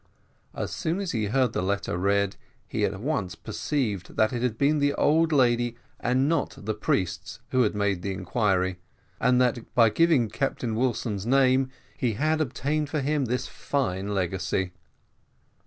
As soon as he heard the letter read, he at once perceived that it had been the old lady, and not the priests, who had made the inquiry, and that by giving Captain Wilson's name he had obtained for him this fine legacy.